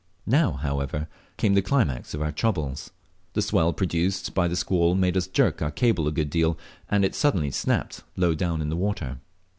Now, however, came the climax of our troubles. The swell produced by the squall made us jerk our cable a good deal, and it suddenly snapped low down in the water.